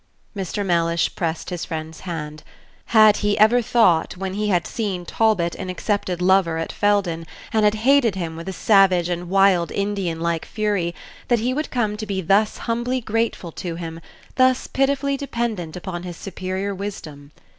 Mr. Mellish pressed his friend's hand. Had he ever thought, when he had seen Talbot an accepted lover at Felden, and had hated him with a savage and wild Indian like fury, that he would come to be thus humbly grateful to him thus pitifully dependent upon his superior wisdom?